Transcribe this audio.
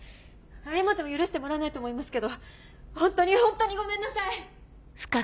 謝っても許してもらえないと思いますけど本当に本当にごめんなさい！